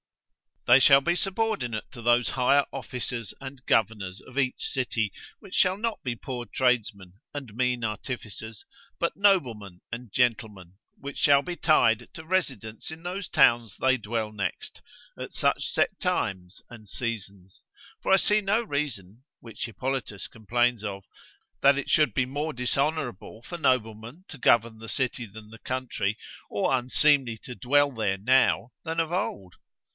They shall be subordinate to those higher officers and governors of each city, which shall not be poor tradesmen, and mean artificers, but noblemen and gentlemen, which shall be tied to residence in those towns they dwell next, at such set times and seasons: for I see no reason (which Hippolitus complains of) that it should be more dishonourable for noblemen to govern the city than the country, or unseemly to dwell there now, than of old.